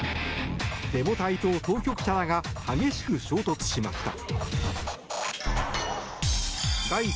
デモ隊と当局者らが激しく衝突しました。